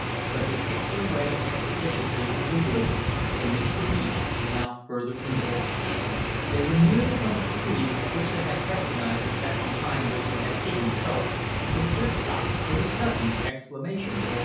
But they picked their way expeditiously through the woods, and reached the beach without further incident. They were near the clump of trees which they recognized as that behind which they had hidden the boat when Clif stopped with a sudden exclamation.